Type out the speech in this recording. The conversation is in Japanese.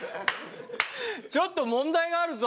ちょっと問題があるぞ。